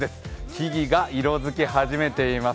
木々が色づき始めています。